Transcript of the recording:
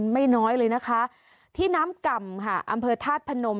ไม่น้อยเลยนะคะที่น้ำก่ำค่ะอำเภอธาตุพนม